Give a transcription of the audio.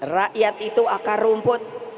rakyat itu akar rumput